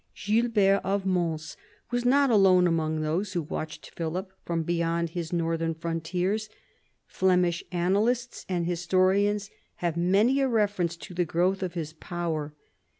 Gilbert of Mons was not alone among those who watched Philip from beyond his northern frontiers. Flemish annalists and historians have many a reference to the growth of his power.